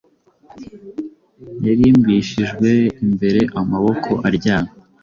yarimbishijwe imbereamaboko aryamye